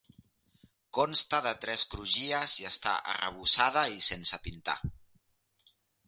Consta de tres crugies i està arrebossada i sense pintar.